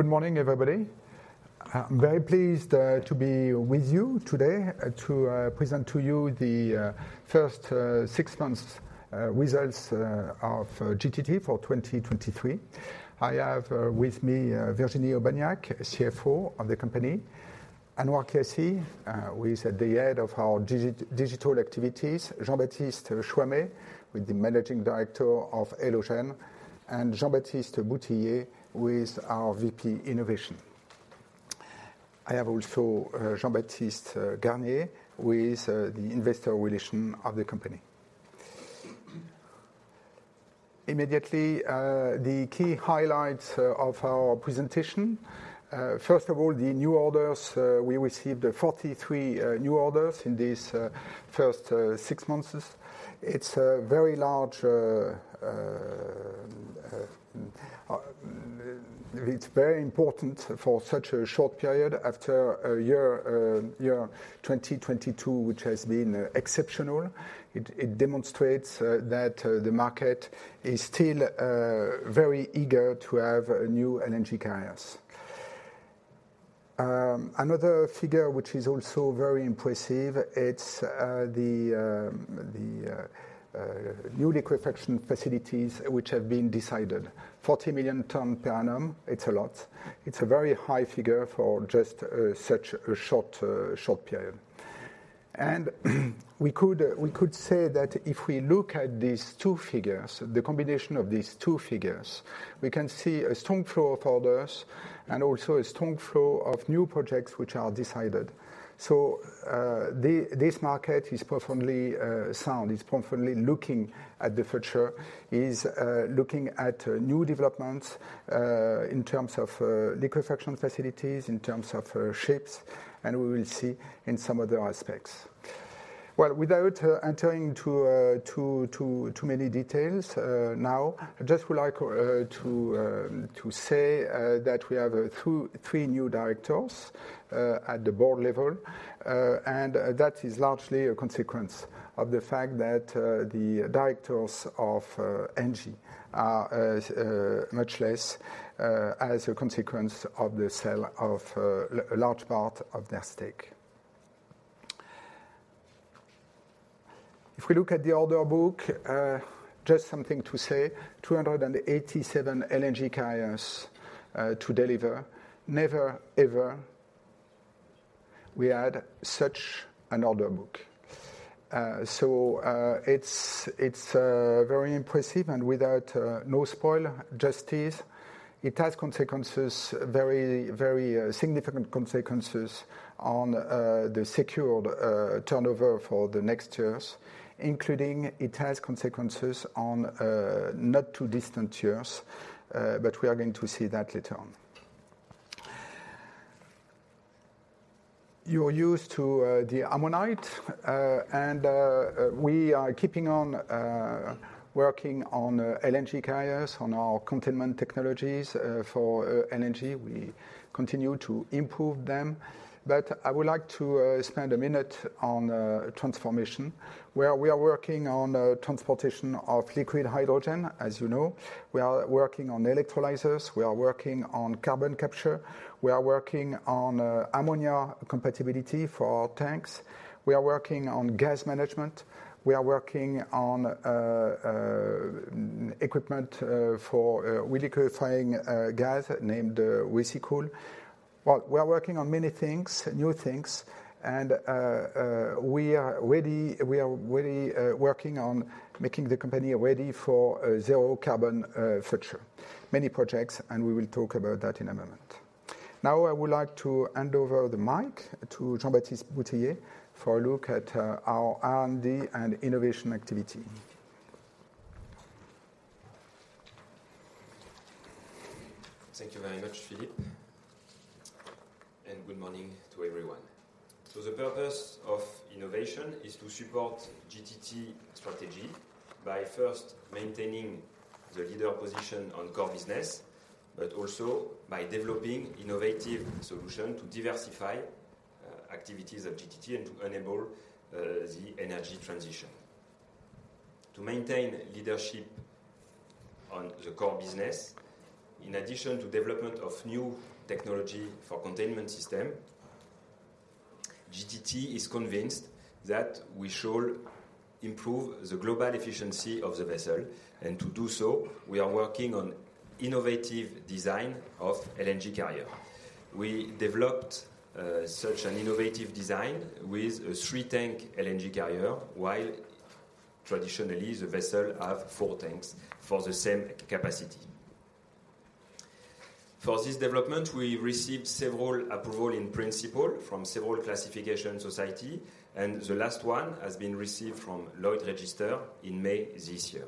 Good morning, everybody. I'm very pleased to be with you today to present to you the first six months results of GTT for 2023. I have with me Virginie Aubagnac, CFO of the company, Anouar Kiassi, who is at the head of our digital activities, Jean-Baptiste Choimet, with the managing director of Elogen, and Jean-Baptiste Boutillier, who is our VP Innovation. I have also Jean-Baptiste Garnier, who is the investor relations of the company. Immediately, the key highlights of our presentation. First of all, the new orders. We received 43 new orders in these first six months. It's a very large. It's very important for such a short period after a year, year 2022, which has been exceptional. It, it demonstrates that the market is still very eager to have new LNG carriers. Another figure which is also very impressive, it's the new liquefaction facilities which have been decided. 40 million ton per annum, it's a lot. It's a very high figure for just such a short, short period. We could, we could say that if we look at these two figures, the combination of these two figures, we can see a strong flow of orders and also a strong flow of new projects which are decided. This market is profoundly sound, is profoundly looking at the future, is looking at new developments in terms of liquefaction facilities, in terms of ships, and we will see in some other aspects. Well, without entering to, too many details, now, I just would like to say that we have two, three new directors at the board level, and that is largely a consequence of the fact that the directors of Engie are much less as a consequence of the sale of a large part of their stake. If we look at the order book, just something to say, 287 LNG carriers to deliver. Never, ever we had such an order book. So it's it's very impressive, and without no spoiler justice, it has consequences, very, very significant consequences on the secured turnover for the next years, including it has consequences on not too distant years, but we are going to see that later on. You are used to the Ammonite, and we are keeping on working on LNG carriers, on our containment technologies. For LNG, we continue to improve them. I would like to spend a minute on transformation, where we are working on transportation of liquid hydrogen, as you know. We are working on electrolyzers, we are working on carbon capture, we are working on ammonia compatibility for tanks, we are working on gas management, we are working on equipment for re-liquefying gas, named Recycool. Well, we are working on many things, new things, and we are really working on making the company ready for a zero carbon future. Many projects. We will talk about that in a moment. Now, I would like to hand over the mic to Jean-Baptiste Boutillier, for a look at our R&D and innovation activity. Thank you very much, Philippe, and good morning to everyone. The purpose of innovation is to support GTT strategy by first maintaining the leader position on core business, but also by developing innovative solution to diversify activities at GTT and to enable the energy transition. To maintain leadership on the core business, in addition to development of new technology for containment system, GTT is convinced that we should improve the global efficiency of the vessel, and to do so, we are working on innovative design of LNG carrier. We developed such an innovative design with a 3-tank LNG carrier, while traditionally, the vessel have four tanks for the same capacity. For this development, we received several Approval in Principle from several classification society, and the last one has been received from Lloyd's Register in May this year.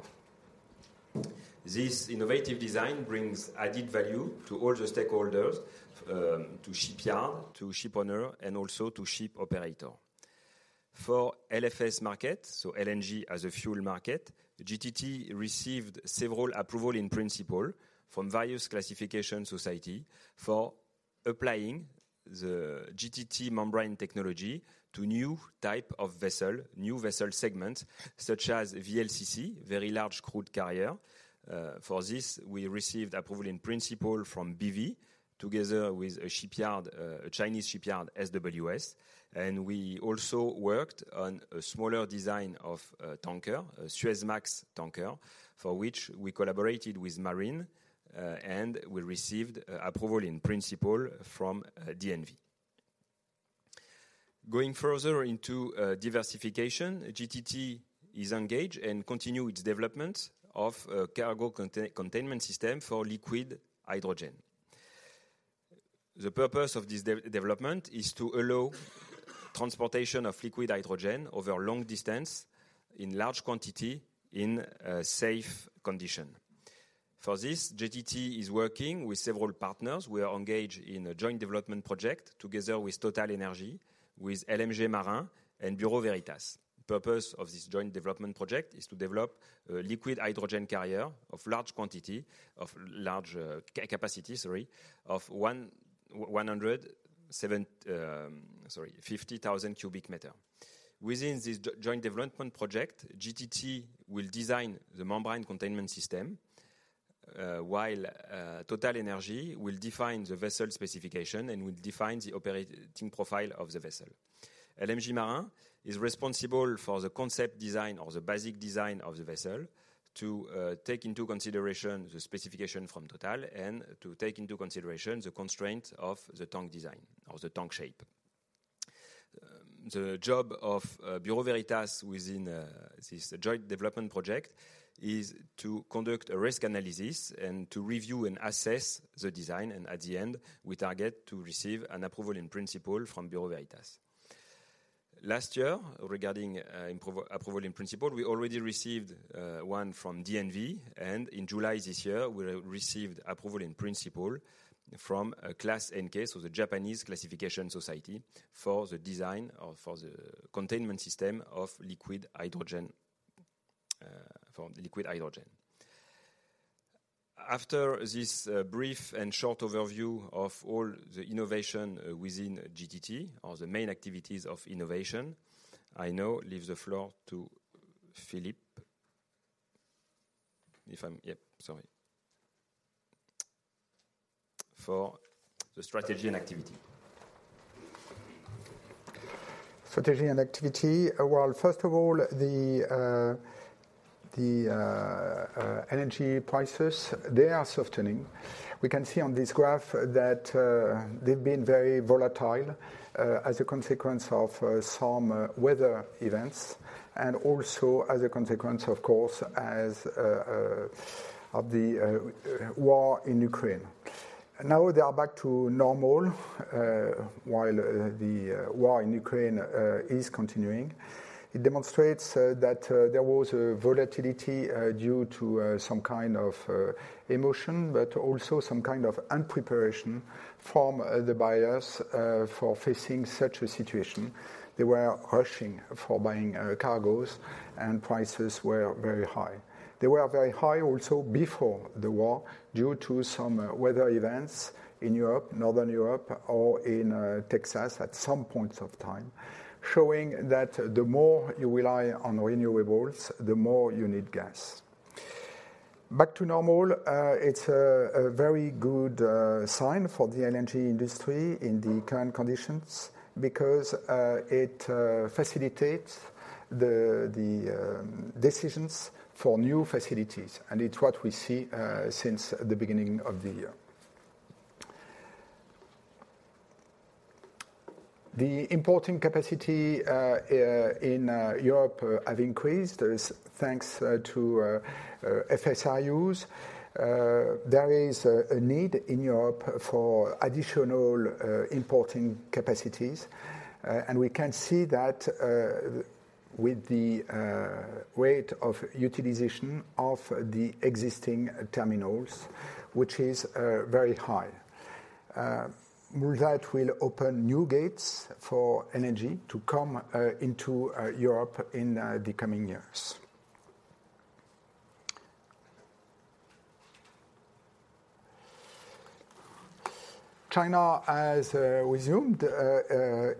This innovative design brings added value to all the stakeholders, to shipyard, to ship owner, and also to ship operator. For LFS market, so LNG as a fuel market, GTT received several Approval in Principle from various classification society applying the GTT membrane technology to new type of vessel, new vessel segment, such as VLCC, very large crude carrier. For this, we received Approval in Principle from BV, together with a shipyard, a Chinese shipyard, SWS. We also worked on a smaller design of tanker, a Suezmax tanker, for which we collaborated with Marine, and we received Approval in Principle from DNV. Going further into diversification, GTT is engaged and continue its development of a cargo containment system for liquid hydrogen. The purpose of this development is to allow transportation of liquid hydrogen over long distance in large quantity, in a safe condition. For this, GTT is working with several partners. We are engaged in a joint development project together with TotalEnergies, with LMG Marin, and Bureau Veritas. Purpose of this joint development project is to develop a liquid hydrogen carrier of large quantity, of large capacity, sorry, of 50,000 CBM. Within this joint development project, GTT will design the membrane containment system, while TotalEnergies will define the vessel specification and will define the operating profile of the vessel. LMG Marin is responsible for the concept design or the basic design of the vessel to take into consideration the specification from TotalEnergies and to take into consideration the constraint of the tank design or the tank shape. The job of Bureau Veritas within this joint development project is to conduct a risk analysis and to review and assess the design and at the end, we target to receive an Approval in Principle from Bureau Veritas. Last year, regarding Approval in Principle, we already received one from DNV, and in July this year, we received Approval in Principle from a ClassNK, so the Japanese Classification Society, for the design or for the containment system of liquid hydrogen, for liquid hydrogen. After this, brief and short overview of all the innovation within GTT, or the main activities of innovation, I now leave the floor to Philippe. If I'm... Yep, sorry. For the strategy and activity. Strategy and activity. Well, first of all, the, the LNG prices, they are softening. We can see on this graph that, they've been very volatile, as a consequence of some weather events, and also as a consequence, of course, as of the war in Ukraine. Now they are back to normal, while the war in Ukraine is continuing. It demonstrates that there was a volatility due to some kind of emotion, but also some kind of unpreparedness from the buyers for facing such a situation. They were rushing for buying cargos, and prices were very high. They were very high also before the war, due to some weather events in Europe, Northern Europe, or in Texas at some points of time, showing that the more you rely on renewables, the more you need gas. Back to normal, it's a very good sign for the LNG industry in the current conditions because it facilitates the decisions for new facilities, and it's what we see since the beginning of the year. The importing capacity in Europe have increased. There is thanks to FSRUs. There is a need in Europe for additional importing capacities, and we can see that with the rate of utilization of the existing terminals, which is very high. That will open new gates for energy to come into Europe in the coming years. China has resumed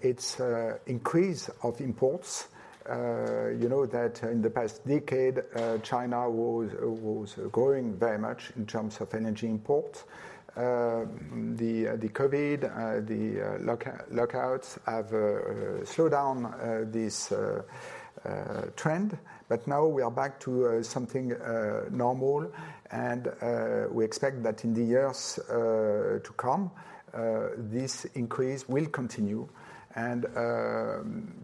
its increase of imports. You know that in the past decade, China was, was growing very much in terms of energy imports. The, the Covid, the lockouts have slowed down this trend, but now we are back to something normal and we expect that in the years to come, this increase will continue and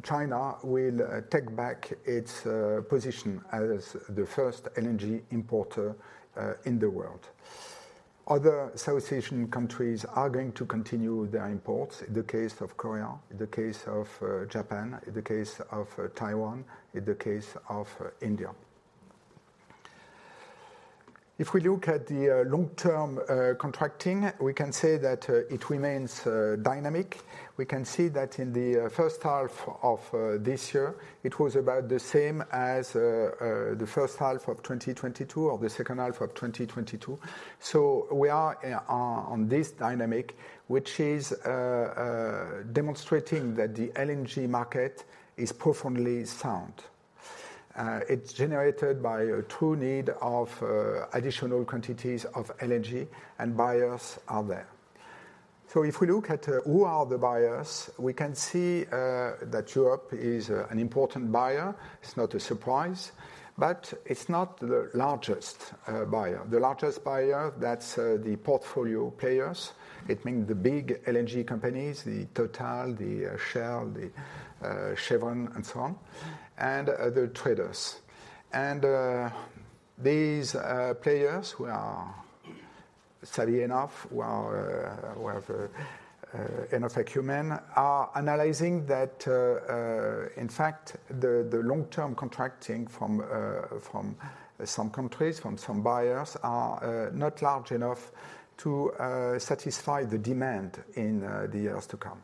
China will take back its position as the first LNG importer in the world. Other South Asian countries are going to continue their imports, in the case of Korea, in the case of Japan, in the case of Taiwan, in the case of India. If we look at the long-term contracting, we can say that it remains dynamic. We can see that in the first half of this year, it was about the same as the first half of 2022 or the second half of 2022. We are on, on this dynamic, which is demonstrating that the LNG market is profoundly sound. It's generated by a true need of additional quantities of LNG, and buyers are there. If we look at who are the buyers, we can see that Europe is an important buyer. It's not a surprise, but it's not the largest buyer. The largest buyer, that's the portfolio players. It means the big LNG companies, the TotalEnergies, the Shell, the Chevron, and so on, and other traders. These players, who are savvy enough, who are who have enough acumen, are analyzing that in fact, the long-term contracting from from some countries, from some buyers are not large enough to satisfy the demand in the years to come.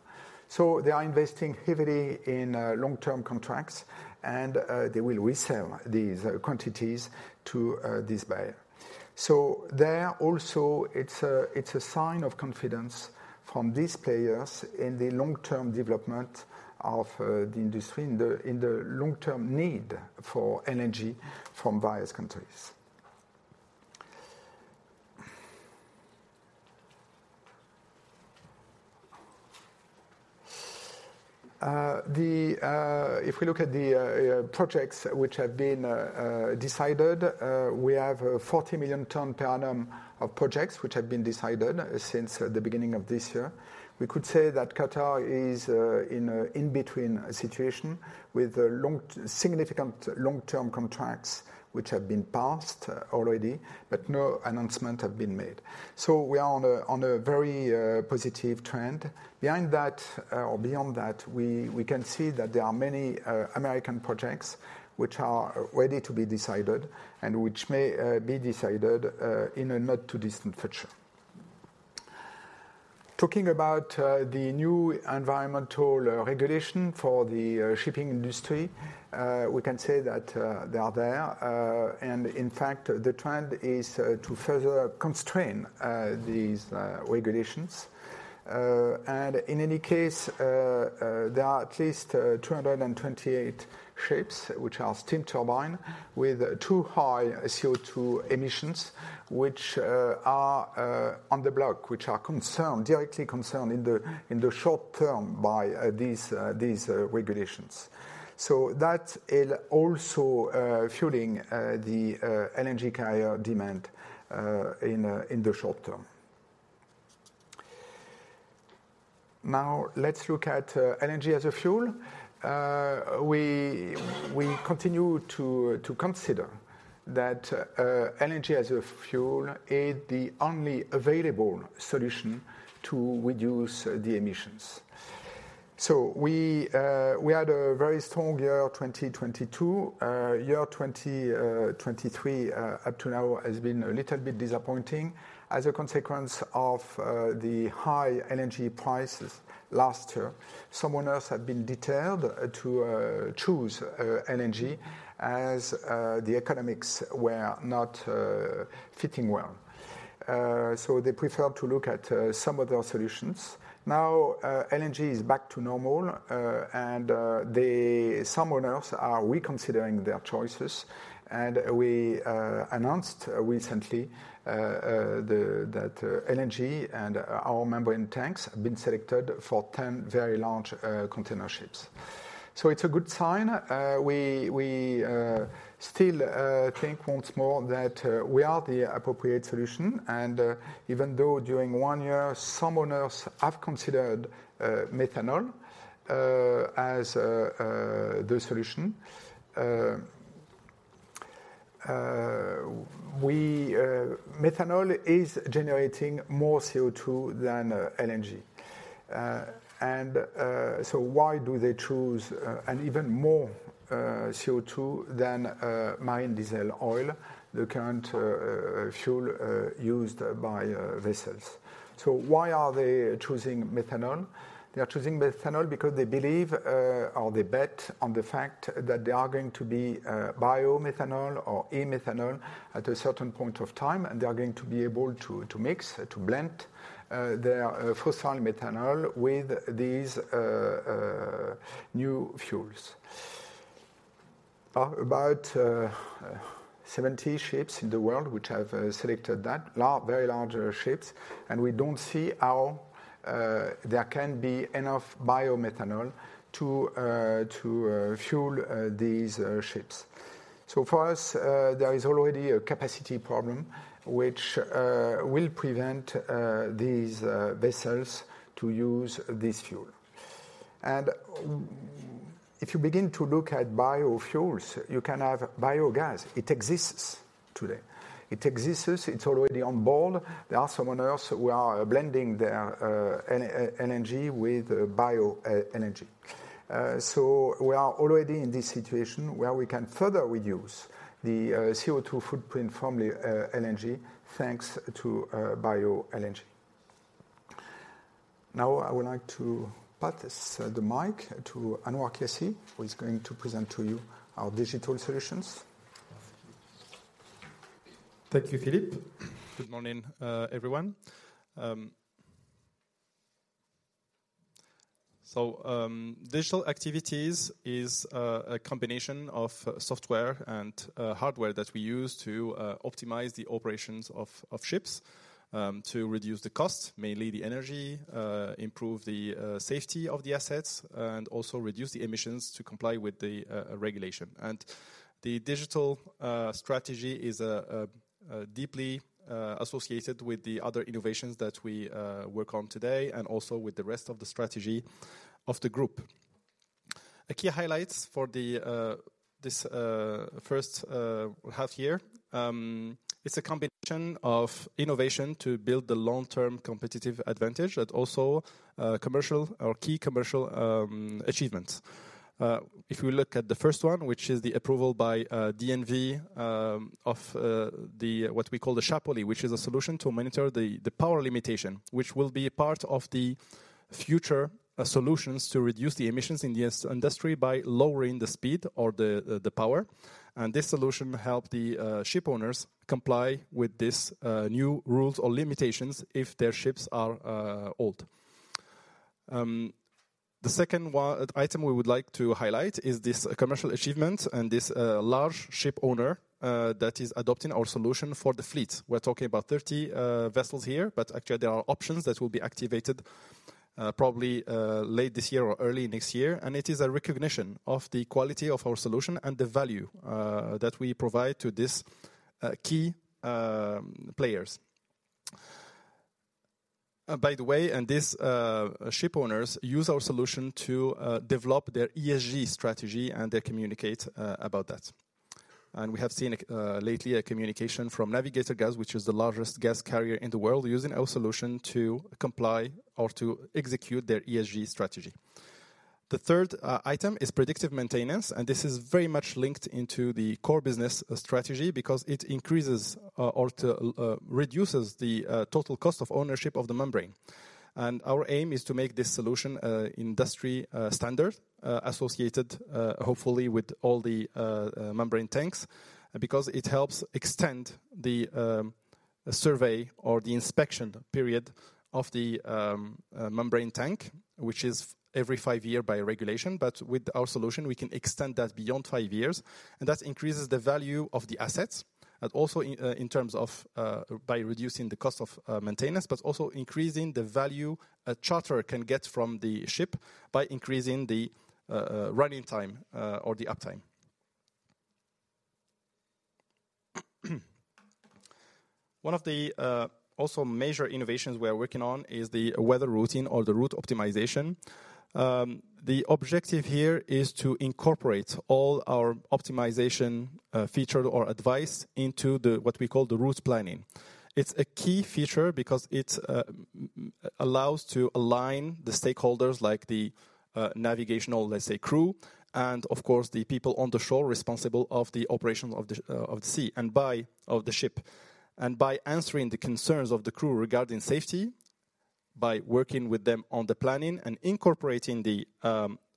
They are investing heavily in long-term contracts, and they will resell these quantities to this buyer. There also, it's a sign of confidence from these players in the long-term development of the industry, in the long-term need for energy from various countries. If we look at the projects which have been decided, we have a 40 million ton per annum of projects which have been decided since the beginning of this year. We could say that Qatar is in a in-between situation, with significant long-term contracts which have been passed already, but no announcement have been made. We are on a very positive trend. Behind that, or beyond that, we can see that there are many American projects which are ready to be decided and which may be decided in a not-too-distant future. Talking about the new environmental regulation for the shipping industry, we can say that they are there. In fact, the trend is to further constrain these regulations. In any case, there are at least 228 ships which are steam turbine, with too high CO2 emissions, which are on the block, which are concerned, directly concerned in the short term by these regulations. So that is also fueling the LNG carrier demand in the short term. Now, let's look at LNG as a fuel. We continue to consider that LNG as a fuel is the only available solution to reduce the emissions. So we had a very strong year, 2022. Year 2023, up to now, has been a little bit disappointing. As a consequence of the high LNG prices last year, some owners have been detailed to choose LNG, as the economics were not fitting well. They preferred to look at some other solutions. Now, LNG is back to normal, some owners are reconsidering their choices. We announced recently that LNG and our membrane tanks have been selected for 10 very large container ships. It's a good sign. We, we still think once more that we are the appropriate solution. Even though during one year, some owners have considered methanol as the solution, we... Methanol is generating more CO2 than LNG. Why do they choose an even more CO2 than marine diesel oil, the current fuel used by vessels? Why are they choosing methanol? They are choosing methanol because they believe or they bet on the fact that there are going to be bio-methanol or e-methanol at a certain point of time, and they are going to be able to mix, to blend, their fossil methanol with these new fuels. About 70 ships in the world, which have selected that, very large ships, and we don't see how there can be enough bio-methanol to fuel these ships. For us, there is already a capacity problem, which will prevent these vessels to use this fuel. If you begin to look at biofuels, you can have biogas. It exists today. It exists. It's already on board. There are some owners who are blending their LNG with bioenergy. We are already in this situation where we can further reduce the CO₂ footprint from the LNG, thanks to bio-LNG. I would like to pass the mic to Anouar Kiassi, who is going to present to you our digital solutions. Thank you, Philippe. Good morning, everyone. Digital activities is a combination of software and hardware that we use to optimize the operations of ships, to reduce the costs, mainly the energy, improve the safety of the assets, and also reduce the emissions to comply with the regulation. The digital strategy is deeply associated with the other innovations that we work on today, and also with the rest of the strategy of the group. A key highlights for the this first half year, it's a combination of innovation to build the long-term competitive advantage, but also commercial or key commercial achievements. If you look at the first one, which is the approval by DNV of the what we call the ShaPoLi, which is a solution to monitor the power limitation, which will be a part of the future solutions to reduce the emissions in this industry by lowering the speed or the power. This solution will help the shipowners comply with this new rules or limitations if their ships are old. The second item we would like to highlight is this commercial achievement and this large shipowner that is adopting our solution for the fleet. We're talking about 30 vessels here, but actually there are options that will be activated probably late this year or early next year. It is a recognition of the quality of our solution and the value that we provide to these key players. By the way, these shipowners use our solution to develop their ESG strategy, and they communicate about that. We have seen lately a communication from Navigator Gas, which is the largest gas carrier in the world, using our solution to comply or to execute their ESG strategy. The third item is predictive maintenance, and this is very much linked into the core business strategy because it increases or reduces the total cost of ownership of the membrane. Our aim is to make this solution a industry standard, associated hopefully with all the membrane tanks, because it helps extend the survey or the inspection period of the membrane tank, which is every five year by regulation. With our solution, we can extend that beyond five years, and that increases the value of the assets, and also in terms of by reducing the cost of maintenance, but also increasing the value a charter can get from the ship by increasing the running time or the uptime. One of the also major innovations we are working on is the weather routing or the route optimization. The objective here is to incorporate all our optimization feature or advice into the, what we call the route planning. It's a key feature because it allows to align the stakeholders, like the navigational, let's say, crew, and of course, the people on the shore responsible of the operations of the sea, and by of the ship. By answering the concerns of the crew regarding safety, by working with them on the planning and incorporating the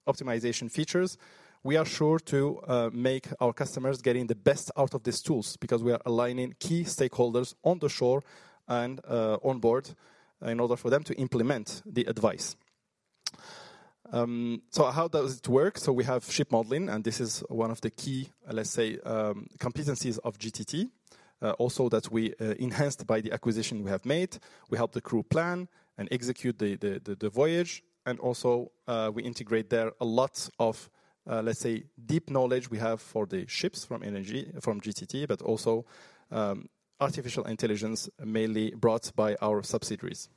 optimization features, we are sure to make our customers getting the best out of these tools, because we are aligning key stakeholders on the shore and on board in order for them to implement the advice. How does it work? We have ship modeling, and this is one of the key, let's say, competencies of GTT. Also that we enhanced by the acquisition we have made. We help the crew plan and execute the voyage, and also, we integrate there a lot of, let's say, deep knowledge we have for the ships from energy- from GTT, but also, artificial intelligence, mainly brought by our subsidiaries.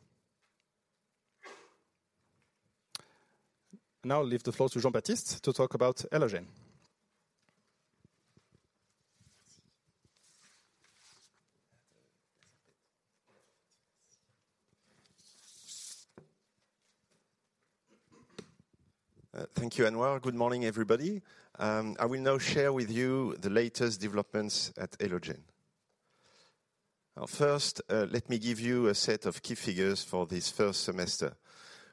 Now, I leave the floor to Jean-Baptiste to talk about Elogen. Thank you, Anouar. Good morning, everybody. I will now share with you the latest developments at Elogen. First, let me give you a set of key figures for this first semester.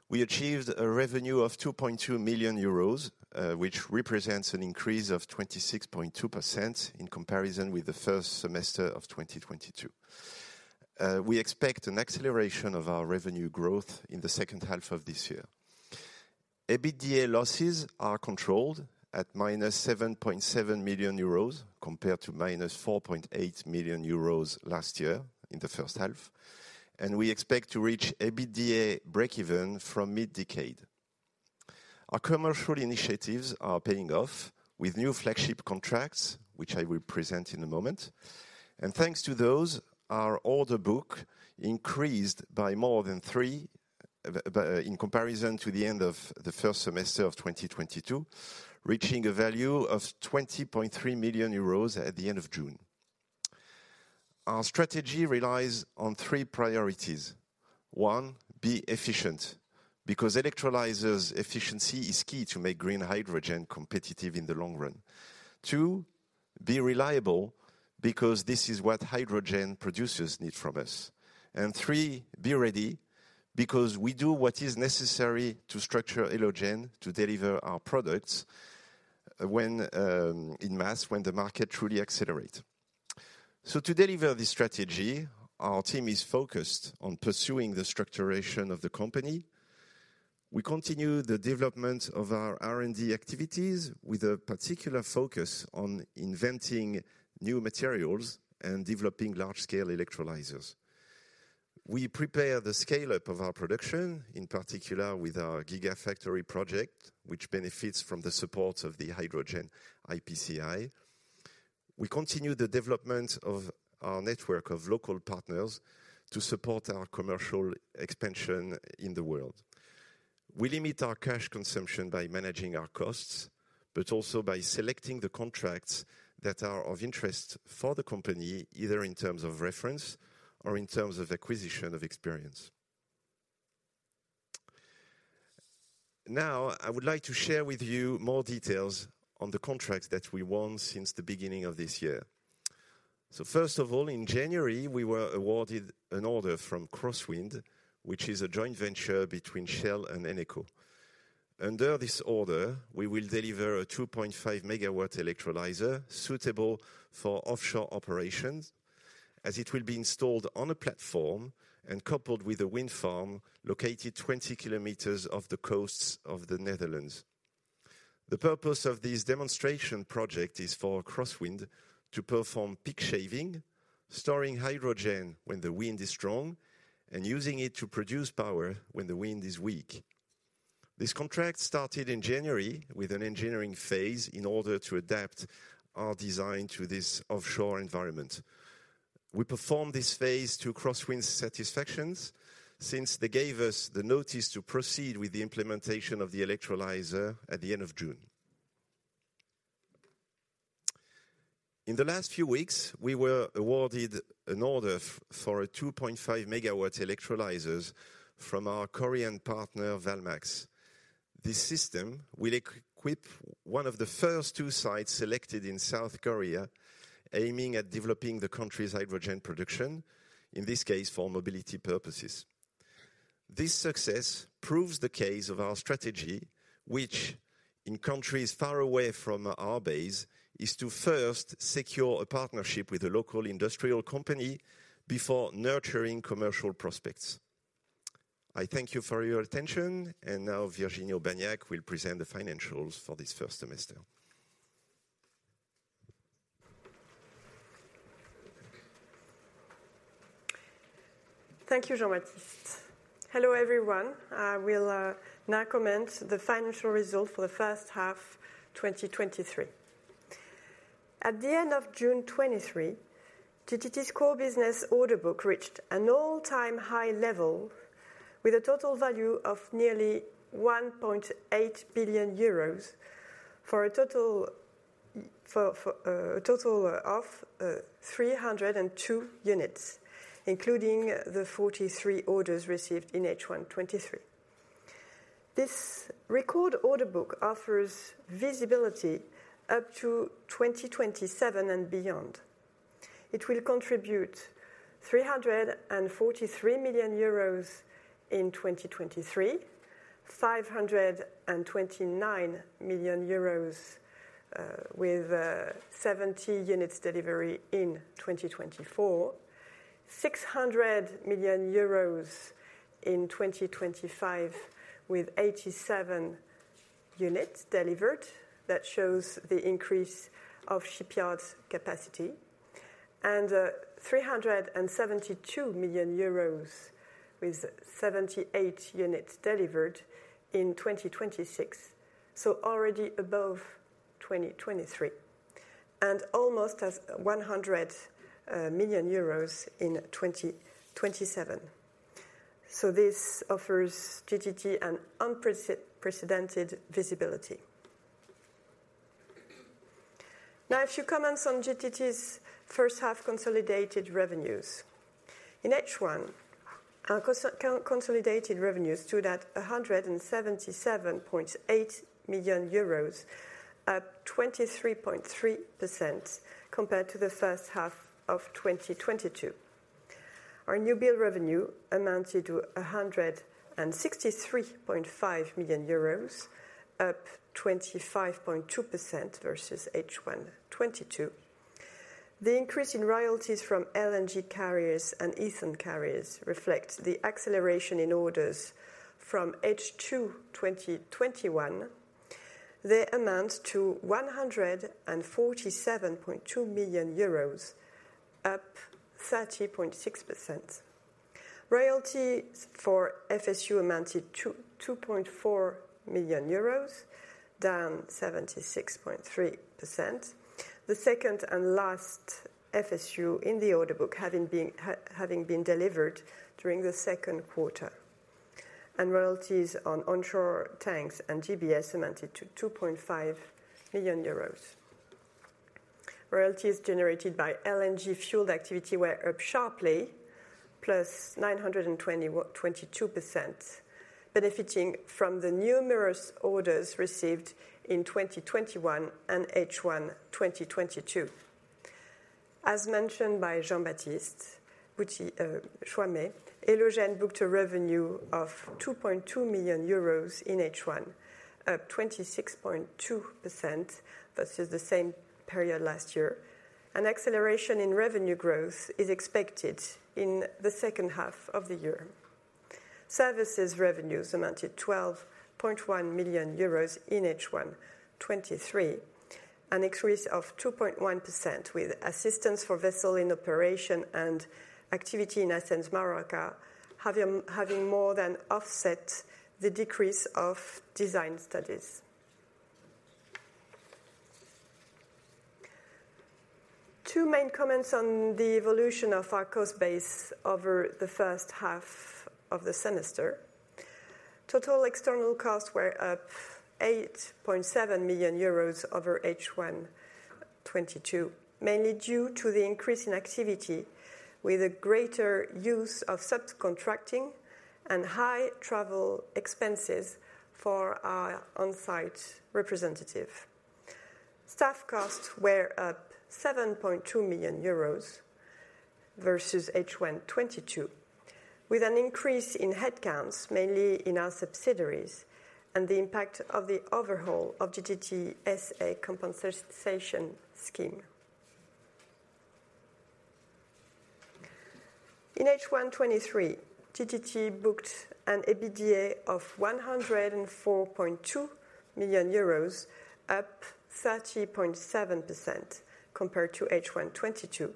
We achieved a revenue of 2.2 million euros, which represents an increase of 26.2% in comparison with the first semester of 2022. We expect an acceleration of our revenue growth in the second half of this year. EBITDA losses are controlled at -7.7 million euros, compared to -4.8 million euros last year in the first half, and we expect to reach EBITDA breakeven from mid-decade. Our commercial initiatives are paying off with new flagship contracts, which I will present in a moment. Thanks to those, our order book increased by more than three in comparison to the end of the first semester of 2022, reaching a value of 20.3 million euros at the end of June. Our strategy relies on three priorities. One, be efficient, because electrolyzers efficiency is key to make green hydrogen competitive in the long run. Two, be reliable, because this is what hydrogen producers need from us. Three, be ready, because we do what is necessary to structure Elogen to deliver our products when in mass, when the market truly accelerate. To deliver this strategy, our team is focused on pursuing the structuration of the company. We continue the development of our R&D activities with a particular focus on inventing new materials and developing large-scale electrolyzers. We prepare the scale-up of our production, in particular with our Gigafactory project, which benefits from the support of the Hydrogen IPCEI. We continue the development of our network of local partners to support our commercial expansion in the world. We limit our cash consumption by managing our costs, but also by selecting the contracts that are of interest for the company, either in terms of reference or in terms of acquisition of experience. Now, I would like to share with you more details on the contracts that we won since the beginning of this year. First of all, in January, we were awarded an order from CrossWind, which is a joint venture between Shell and Eneco. Under this order, we will deliver a 2.5 MW electrolyzer suitable for offshore operations, as it will be installed on a platform and coupled with a wind farm located 20 km off the coasts of the Netherlands. The purpose of this demonstration project is for CrossWind to perform peak shaving, storing hydrogen when the wind is strong, and using it to produce power when the wind is weak. This contract started in January with an engineering phase in order to adapt our design to this offshore environment. We performed this phase to CrossWind's satisfactions, since they gave us the notice to proceed with the implementation of the electrolyzer at the end of June. In the last few weeks, we were awarded an order for a 2.5 MW electrolyzers from our Korean partner, Valmax. This system will equip one of the first two sites selected in South Korea, aiming at developing the country's hydrogen production, in this case, for mobility purposes. This success proves the case of our strategy, which in countries far away from our base, is to first secure a partnership with a local industrial company before nurturing commercial prospects. I thank you for your attention. Now Virginie Aubagnac will present the financials for this first semester. Thank you, Jean-Baptiste. Hello, everyone. I will now comment the financial results for the first half, 2023. At the end of June 2023, GTT's core business order book reached an all-time high level with a total value of nearly 1.8 billion euros, for a total, for, for, a total of 302 units, including the 43 orders received in H1 2023. This record order book offers visibility up to 2027 and beyond. It will contribute 343 million euros in 2023, 529 million euros, with 70 units delivery in 2024, EUR 600 million in 2025, with 87 units delivered. That shows the increase of shipyards capacity, and 372 million euros, with 78 units delivered in 2026. Already above 2023, and almost as 100 million euros in 2027. This offers GTT an unprecedented visibility. A few comments on GTT's first half consolidated revenues. In H1, our consolidated revenues stood at 177.8 million euros, up 23.3% compared to the first half of 2022. Our new build revenue amounted to 163.5 million euros, up 25.2% versus H1 2022. The increase in royalties from LNG carriers and ethane carriers reflects the acceleration in orders from H2 2021. They amount to 147.2 million euros, up 30.6%. Royalties for FSU amounted to 2.4 million euros, down 76.3%. The second and last FSU in the order book, having been delivered during the second quarter. Royalties on onshore tanks and GBS amounted to 2.5 million euros. Royalties generated by LNG fueled activity were up sharply, +921.22%, benefiting from the numerous orders received in 2021 and H1 2022. As mentioned by Jean-Baptiste Choimet, Elogen booked a revenue of 2.2 million euros in H1, up 26.2% versus the same period last year. An acceleration in revenue growth is expected in the second half of the year. Services revenues amounted 12.1 million euros in H1 2023, an increase of 2.1%, with assistance for vessel in operation and activity in Athens, Marorka, having more than offset the decrease of design studies. Two main comments on the evolution of our cost base over the first half of the semester. TotalEnergies external costs were up 8.7 million euros over H1 2022, mainly due to the increase in activity, with a greater use of subcontracting and high travel expenses for our on-site representative. Staff costs were up 7.2 million euros versus H1 2022, with an increase in headcounts, mainly in our subsidiaries, and the impact of the overhaul of GTT SA compensation scheme. In H1 2023, GTT booked an EBITDA of 104.2 million euros, up 30.7% compared to H1 2022,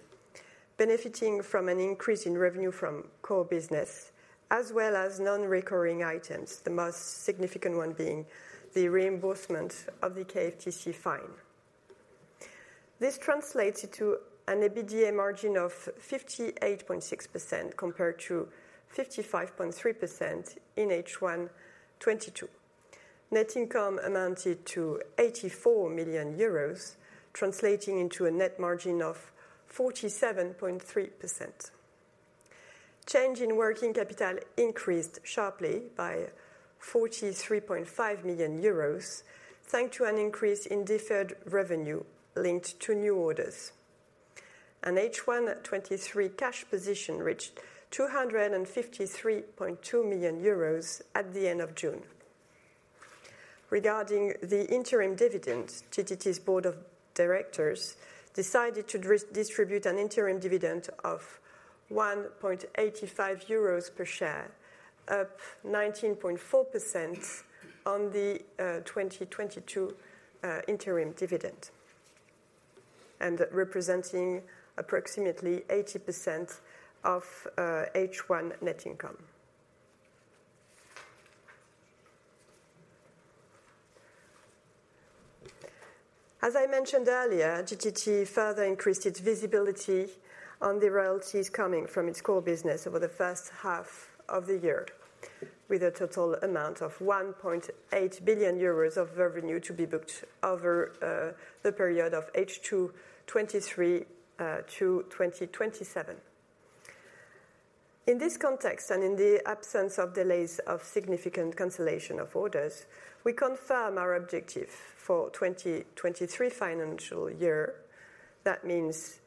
benefiting from an increase in revenue from core business as well as non-recurring items, the most significant one being the reimbursement of the KFTC fine. This translates to an EBITDA margin of 58.6% compared to 55.3% in H1 2022. Net income amounted to 84 million euros, translating into a net margin of 47.3%. Change in working capital increased sharply by 43.5 million euros, thanks to an increase in deferred revenue linked to new orders. H1 2023 cash position reached 253.2 million euros at the end of June. Regarding the interim dividend, GTT's board of directors decided to distribute an interim dividend of 1.85 euros per share, up 19.4% on the 2022 interim dividend, and representing approximately 80% of H1 net income. As I mentioned earlier, GTT further increased its visibility on the royalties coming from its core business over the first half of the year, with a total amount of 1.8 billion euros of revenue to be booked over the period of H2 2023 to 2027. In this context, and in the absence of delays of significant cancellation of orders, we confirm our objective for 2023 financial year. That means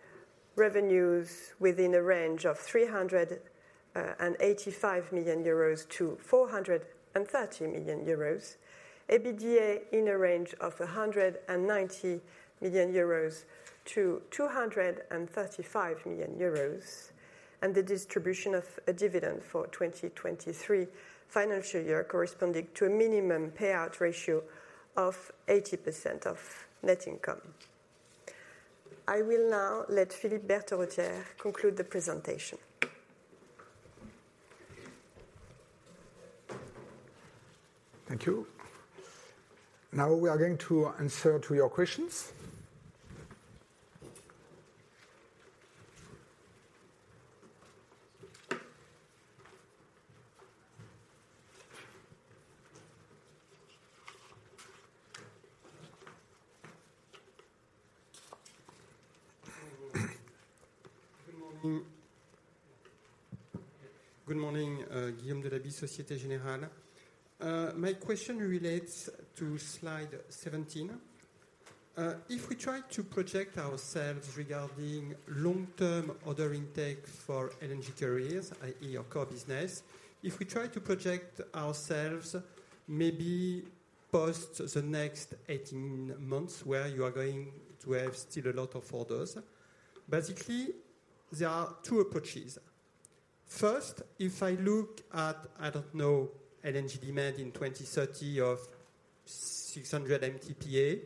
revenues within a range of 385 million-430 million euros. EBITDA in a range of 190 million-235 million euros, and the distribution of a dividend for 2023 financial year, corresponding to a minimum payout ratio of 80% of net income. I will now let Philippe Berterottière conclude the presentation. Thank you. Now we are going to answer to your questions. Good morning. Good morning, Guillaume Delaby, Societe Generale. My question relates to slide 17. If we try to project ourselves regarding long-term order intake for LNG carriers, i.e., your core business, if we try to project ourselves maybe post the next 18 months, where you are going to have still a lot of orders. Basically, there are two approaches. First, if I look at, I don't know, LNG demand in 2030 of 600 MTPA,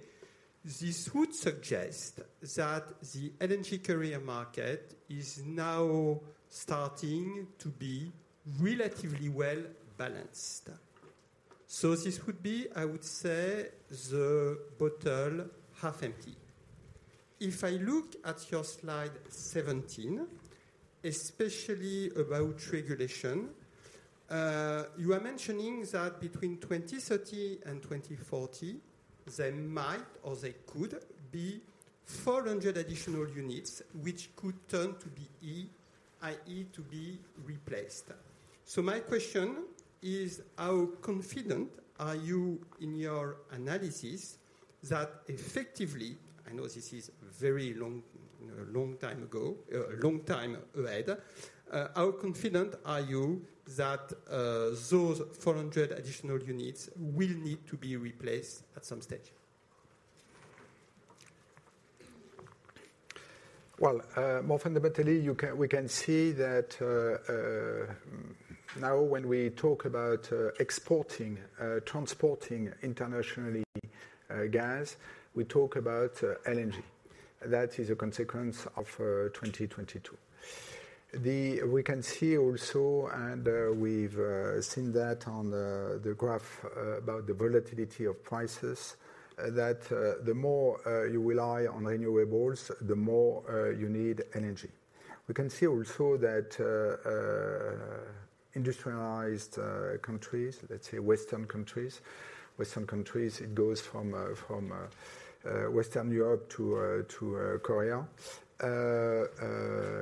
this would suggest that the LNG carrier market is now starting to be relatively well balanced. This would be, I would say, the bottle half empty. If I look at your slide 17, especially about regulation, you are mentioning that between 2030 and 2040, there might or there could be 400 additional units, which could turn to be E, i.e., to be replaced. My question is, how confident are you in your analysis that effectively, I know this is very long, long time ago, long time ahead, how confident are you that those 400 additional units will need to be replaced at some stage? Well, more fundamentally, we can see that now when we talk about exporting, transporting internationally, gas, we talk about LNG. That is a consequence of 2022. We can see also, and we've seen that on the graph about the volatility of prices, that the more you rely on renewables, the more you need energy. We can see also that industrialized countries, let's say Western countries. Western countries, it goes from from Western Europe to to Korea,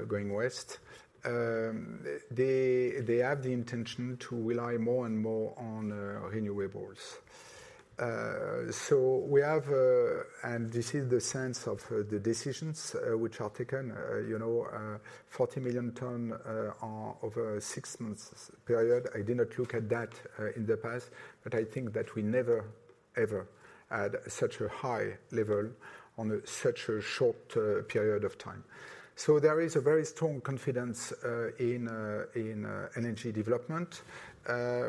going West. They, they have the intention to rely more and more on renewables. We have and this is the sense of the decisions which are taken, you know, 40 million tons over a 6 months period. I did not look at that in the past, but I think that we never, ever had such a high level on such a short period of time. There is a very strong confidence in in energy development.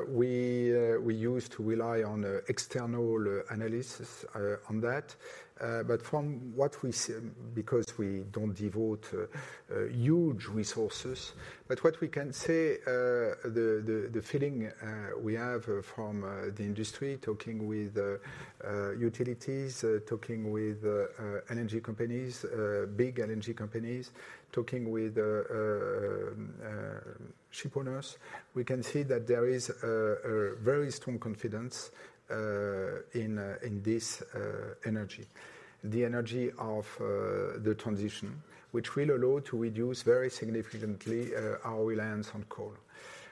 We we use to rely on external analysis on that. From what we see, because we don't devote huge resources. But what we can say, the the the feeling we have from the industry, talking with utilities, talking with LNG companies, big LNG companies, talking with shipowners, we can see that there is a a very strong confidence in in this energy. The energy of the transition, which will allow to reduce very significantly our reliance on coal.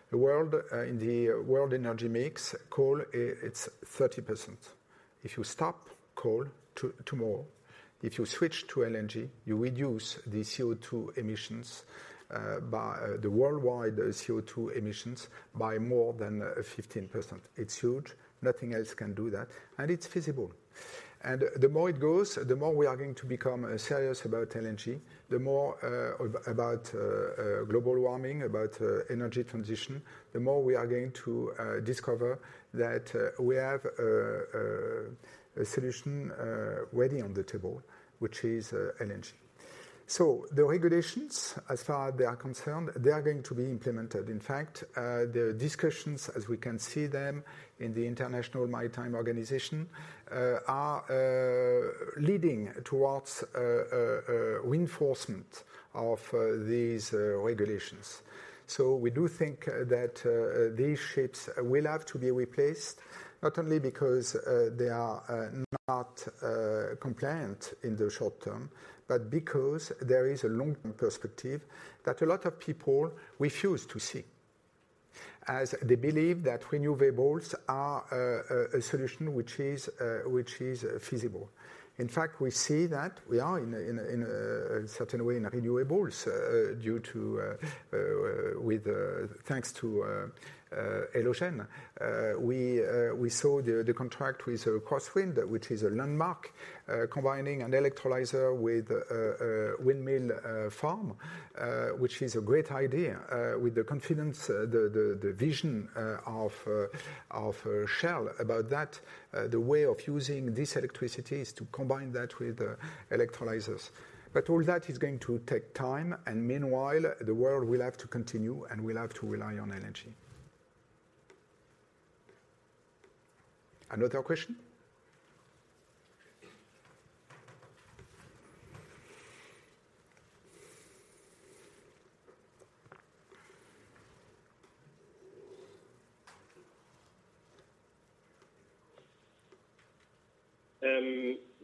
The world, in the world energy mix, coal, it's 30%. If you stop coal tomorrow, if you switch to LNG, you reduce the CO2 emissions by the worldwide CO2 emissions by more than 15%. It's huge. Nothing else can do that, it's feasible. The more it goes, the more we are going to become serious about LNG, the more about global warming, about energy transition, the more we are going to discover that we have a solution ready on the table, which is LNG. The regulations, as far they are concerned, they are going to be implemented. In fact, the discussions, as we can see them in the International Maritime Organization, are leading towards reinforcement of these regulations. We do think that these ships will have to be replaced, not only because they are not compliant in the short term, but because there is a long perspective that a lot of people refuse to see, as they believe that renewables are a solution which is feasible. In fact, we see that we are in a, in a, in a certain way, in renewables, due to with thanks to Elogen. We saw the contract with CrossWind, which is a landmark, combining an electrolyzer with a windmill farm, which is a great idea, with the confidence, the the the vision of Shell about that. The way of using this electricity is to combine that with electrolyzers. All that is going to take time, and meanwhile, the world will have to continue, and we'll have to rely on LNG. Another question?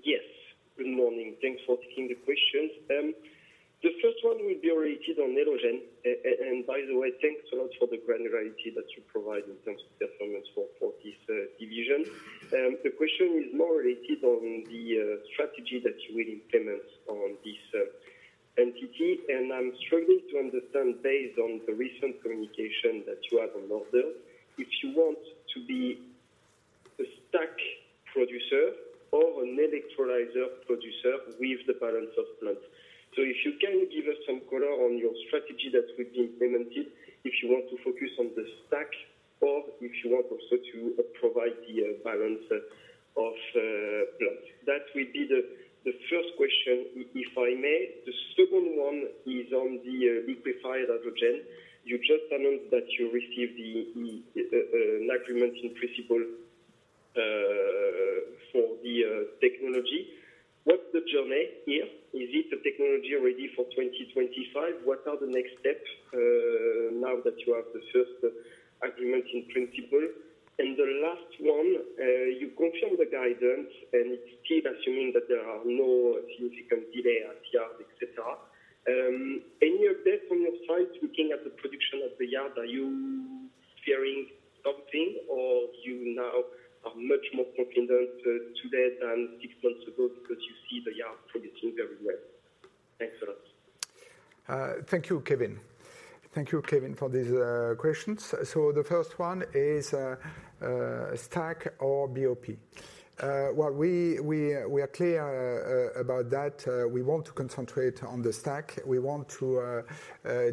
Yes. Good morning. Thanks for taking the questions. The first one will be related on Elogen. By the way, thanks a lot for the granularity that you provide in terms of performance for, for this division. The question is more related on the strategy that you will implement on this entity. I'm struggling to understand, based on the recent communication that you have on order, if you want to be a stack producer or an electrolyzer producer with the balance of plant. If you can give us some color on your strategy that will be implemented, if you want to focus on the stack or if you want also to provide the balance of-... That will be the, the first question, if I may. The second one is on the liquefied hydrogen. You just announced that you received the, the, an Agreement in Principle for the technology. What's the journey here? Is it a technology ready for 2025? What are the next steps now that you have the first Agreement in Principle? The last one, you confirmed the guidance, and it's still assuming that there are no significant delay at yard, et cetera. Any update from your side, looking at the production of the yard, are you fearing something, or you now are much more confident today than six months ago because you see the yard producing very well? Thanks a lot. Thank you, Kevin. Thank you, Kevin, for these questions. The first one is stack or BOP. Well, we are clear about that. We want to concentrate on the stack. We want to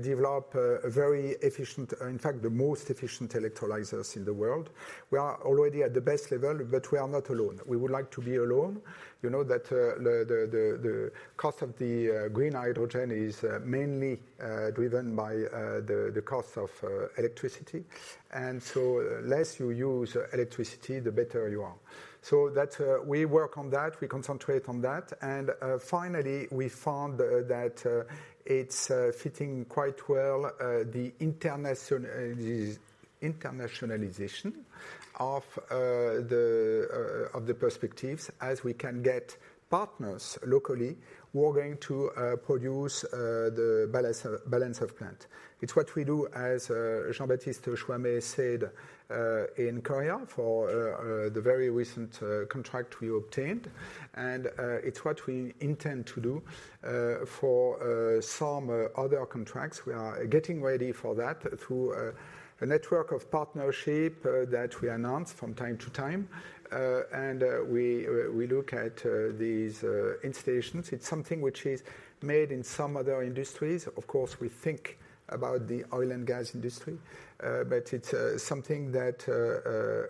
develop a very efficient, in fact, the most efficient electrolyzers in the world. We are already at the best level, but we are not alone. We would like to be alone. You know, that the cost of the green hydrogen is mainly driven by the cost of electricity, and so the less you use electricity, the better you are. That we work on that, we concentrate on that. Finally, we found that it's fitting quite well the internationalization of the of the perspectives, as we can get partners locally, we're going to produce the balance of plant. It's what we do, as Jean-Baptiste Choimet said, in Korea for the very recent contract we obtained. It's what we intend to do for some other contracts. We are getting ready for that through a network of partnership that we announce from time to time. We look at these installations. It's something which is made in some other industries. Of course, we think about the oil and gas industry, but it's something that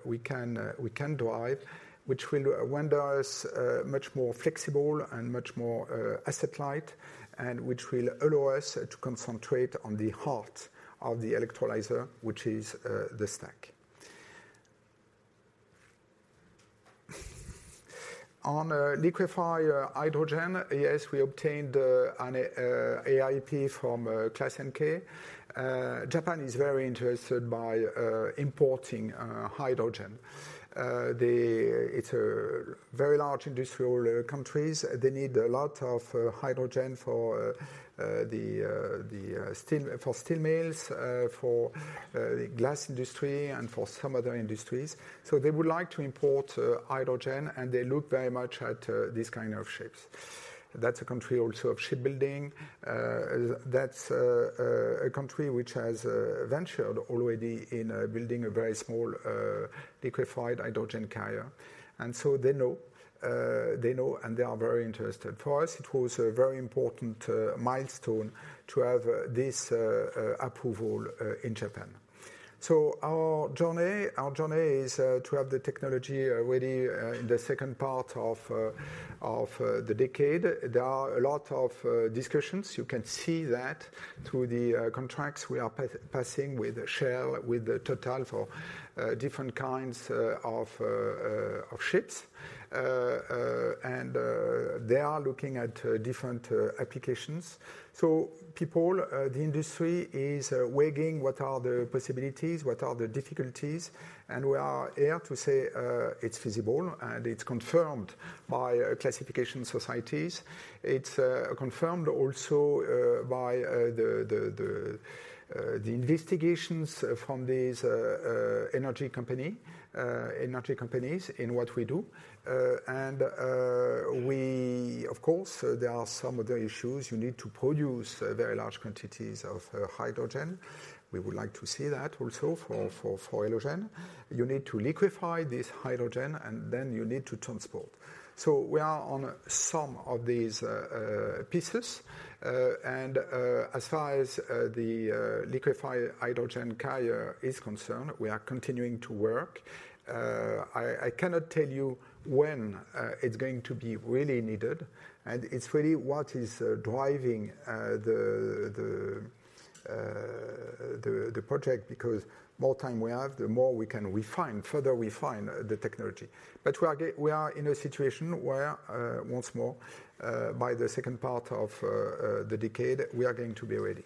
we can we can drive, which will render us much more flexible and much more asset light, and which will allow us to concentrate on the heart of the electrolyzer, which is the stack. On liquefy hydrogen, yes, we obtained an AIP from ClassNK. Japan is very interested by importing hydrogen. It's a very large industrial countries. They need a lot of hydrogen for steel mills, for glass industry and for some other industries. They would like to import hydrogen, and they look very much at these kind of ships. That's a country also of shipbuilding. That's a country which has ventured already in building a very small liquefied hydrogen carrier. They know, they know, and they are very interested. For us, it was a very important milestone to have this approval in Japan. Our journey, our journey is to have the technology already in the second part of the decade. There are a lot of discussions. You can see that through the contracts we are passing with Shell, with TotalEnergies, for different kinds of ships. They are looking at different applications. People, the industry is weighing what are the possibilities, what are the difficulties, and we are here to say, it's feasible, and it's confirmed by classification societies. It's confirmed also by the, the, the, the investigations from these energy company, energy companies, in what we do. We-- Of course, there are some other issues. You need to produce very large quantities of hydrogen. We would like to see that also for, for, for hydrogen. You need to liquefy this hydrogen, and then you need to transport. We are on some of these pieces. As far as the liquefied hydrogen carrier is concerned, we are continuing to work. I, I cannot tell you when it's going to be really needed, and it's really what is driving the, the, the, the project, because more time we have, the more we can refine, further refine the technology. We are we are in a situation where, once more, by the second part of the decade, we are going to be ready.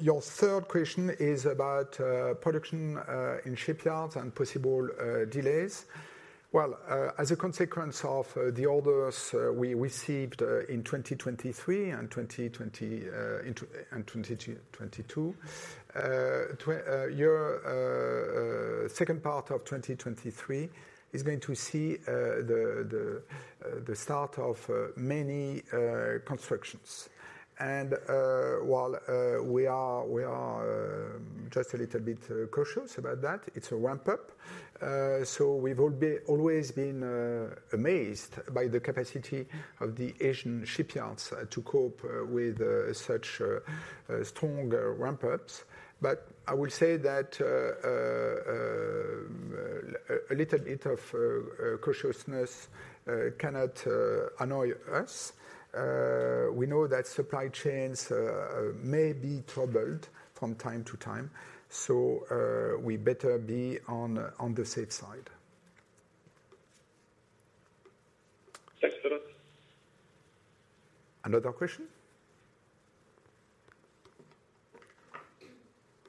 Your third question is about production in shipyards and possible delays. As a consequence of the orders we received in 2023 and 2020, and 2022, year, second part of 2023 is going to see the, the, the start of many constructions. While we are, we are, just a little bit cautious about that, it's a ramp up. We've always been amazed by the capacity of the Asian shipyards to cope with such strong ramp ups. I will say that a little bit of cautiousness cannot annoy us. We know that supply chains may be troubled from time to time, so we better be on, on the safe side. Thanks for that. Another question?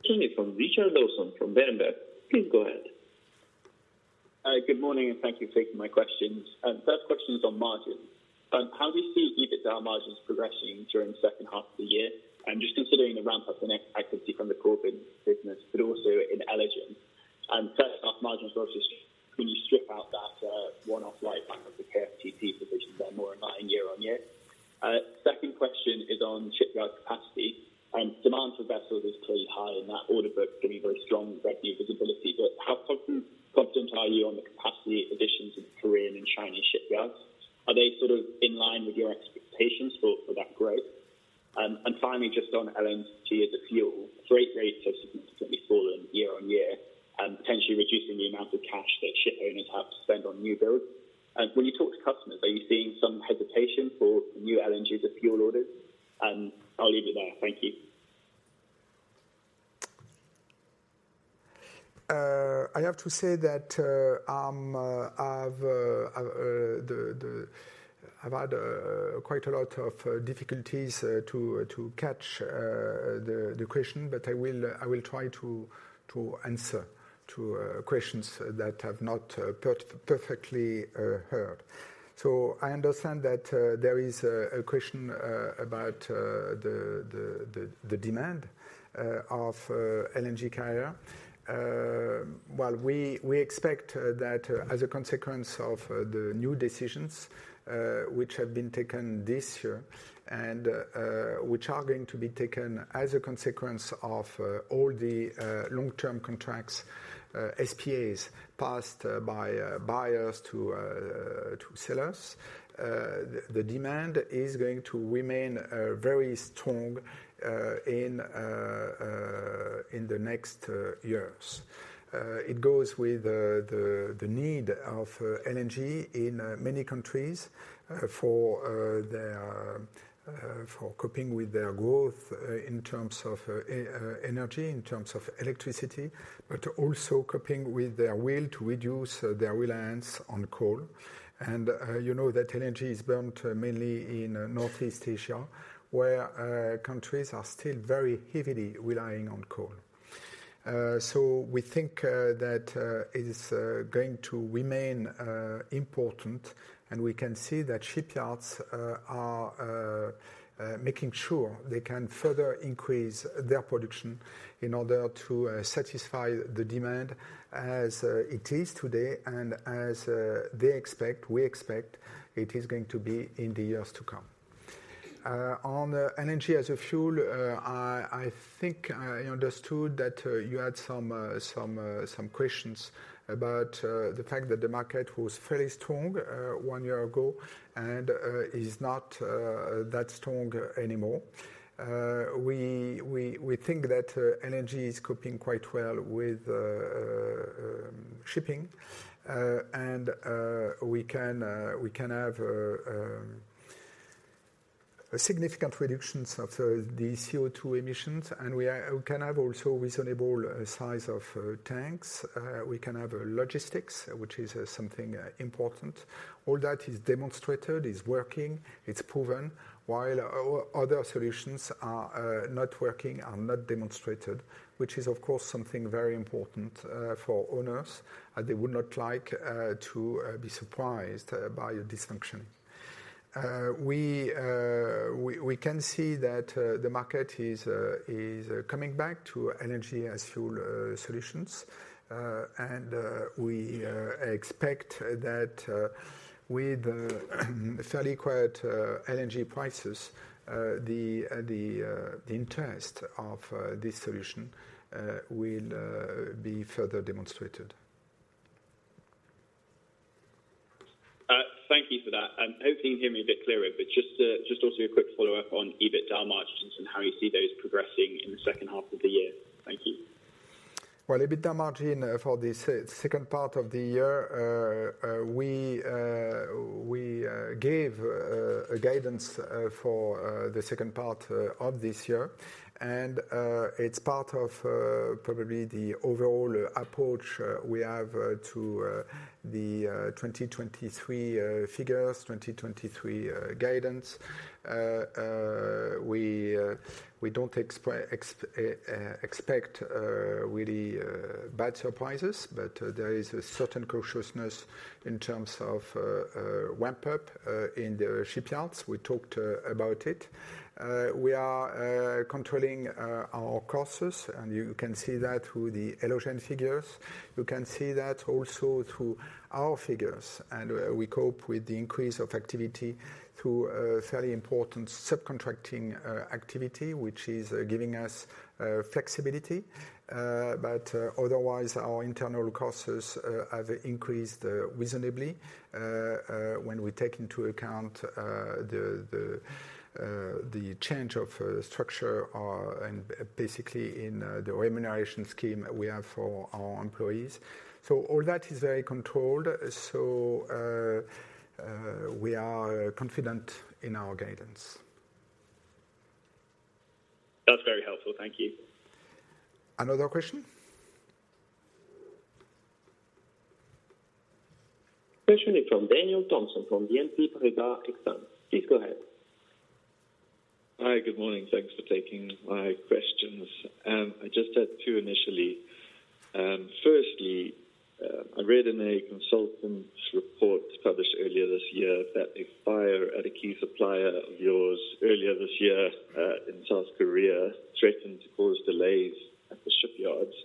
From Richard Dawson from Berenberg. Please go ahead. Good morning, and thank you for taking my questions. First question is on margin. How do you see EBITDA margins progressing during the second half of the year? Just considering the ramp up and activity from the core business, but also in Elogen. First half margins versus when you strip out that one-off right back of the KFT position there, more or not in year-on-year. Second question is on shipyard capacity and demand for vessels is clearly high, and that order book can be very strong revenue visibility. How confident, confident are you on the capacity additions of Korean and Chinese shipyards? Are they sort of in line with your expectations for that growth? Finally, just on LNG as a fuel, freight rates have significantly fallen year-on-year, potentially reducing the amount of cash that ship owners have to spend on new builds. When you talk to customers, are you seeing some hesitation for new LNG as a fuel orders? I'll leave it there. Thank you. I have to say that I've had quite a lot of difficulties to catch the question, but I will, I will try to answer to questions that have not perfectly heard. I understand that there is a question about the demand of LNG carrier. While we expect that as a consequence of the new decisions which have been taken this year, and which are going to be taken as a consequence of all the long-term contracts, SPAs passed by buyers to sellers, the demand is going to remain very strong in the next years. It goes with the, the, the need of LNG in many countries for their for coping with their growth in terms of energy, in terms of electricity, but also coping with their will to reduce their reliance on coal. You know, that LNG is burnt mainly in Northeast Asia, where countries are still very heavily relying on coal. We think that it is going to remain important, and we can see that shipyards are making sure they can further increase their production in order to satisfy the demand as it is today, and as they expect, we expect it is going to be in the years to come. I think I understood that you had some questions about the fact that the market was fairly strong 1 year ago and is not that strong anymore. We think that LNG is coping quite well with shipping, and we can have significant reductions of the CO₂ emissions, and we can have also reasonable size of tanks. We can have logistics, which is something important. All that is demonstrated, is working, it's proven, while other solutions are not working, are not demonstrated, which is of course something very important for owners. They would not like to be surprised by a dysfunction. We, we can see that the market is coming back to LNG as fuel solutions. We expect that with fairly quiet LNG prices, the, the, the interest of this solution will be further demonstrated. Thank you for that. I'm hoping you can hear me a bit clearer. Just also a quick follow-up on EBITDA margins and how you see those progressing in the second half of the year. Thank you. Well, EBITDA margin for the second part of the year, we gave a guidance for the second part of this year. It's part of probably the overall approach we have to the 2023 figures, 2023 guidance. We don't expect really bad surprises, but there is a certain cautiousness in terms of ramp up in the shipyards. We talked about it. We are controlling our costs, and you can see that through the inaudible figures. You can see that also through our figures, and we cope with the increase of activity through a fairly important subcontracting activity, which is giving us flexibility. Otherwise, our internal costs have increased reasonably. When we take into account the change of structure and basically in the remuneration scheme we have for our employees. All that is very controlled. We are confident in our guidance. That's very helpful. Thank you. Another question? Question is from Daniel Thomson, from BNP Paribas Exane. Please go ahead. Hi, good morning. Thanks for taking my questions. I just had two initially. Firstly, I read in a consultant's report published earlier this year that a fire at a key supplier of yours earlier this year, in South Korea, threatened to cause delays at the shipyards.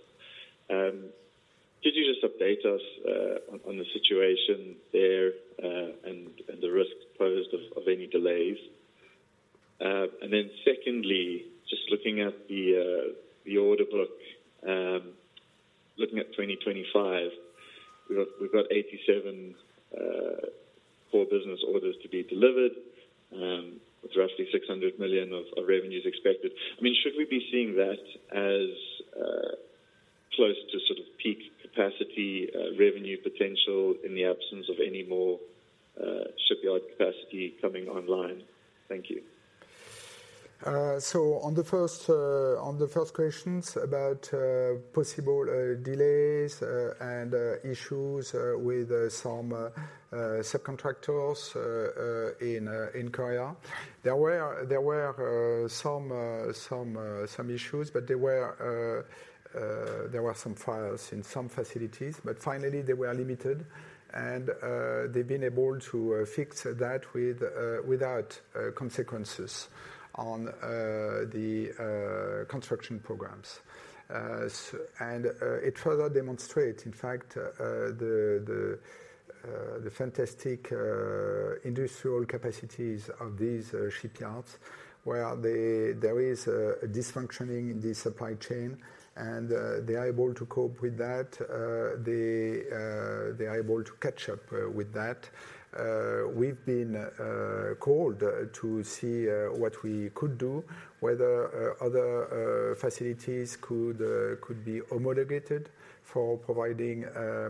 Then secondly, just looking at the order book, looking at 2025, we've got, we've got 87, core business orders to be delivered, with roughly 600 million of, of revenues expected. I mean, should we be seeing that as close to sort of peak capacity, revenue potential in the absence of any more shipyard capacity coming online? Thank you. On the first on the first questions about possible delays and issues with some subcontractors in Korea. There were, there were some some some issues, but there were there were some fires in some facilities, but finally, they were limited, and they've been able to fix that without consequences on the construction programs. It further demonstrates, in fact, the the the fantastic industrial capacities of these shipyards, where there is a dysfunctioning in the supply chain, and they are able to cope with that. They they are able to catch up with that. We've been called to see what we could do, whether other facilities could be homologated for providing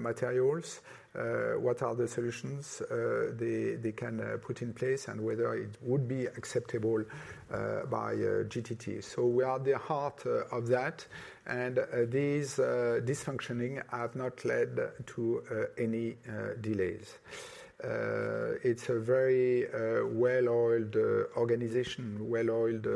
materials, what are the solutions they, they can put in place, and whether it would be acceptable by GTT. We are at the heart of that, and these dysfunctioning have not led to any delays. It's a very well-oiled organization, well-oiled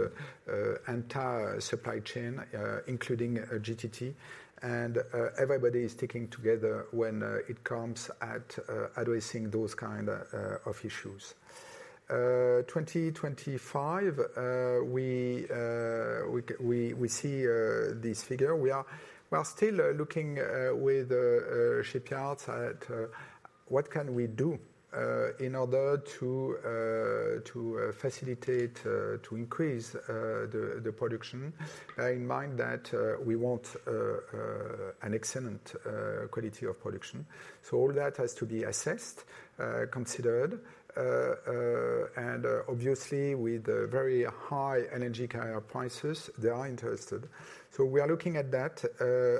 entire supply chain, including GTT, and everybody is sticking together when it comes at addressing those kind of issues. 2025, we c- we, we see this figure. We are, we are still looking with the shipyards at what can we do in order to to facilitate to increase the production in mind that we want an excellent quality of production. All that has to be assessed, considered, and obviously, with a very high energy higher prices, they are interested. We are looking at that,